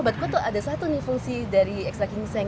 wad kuat tuh ada satu fungsi dari ekstrak ginseng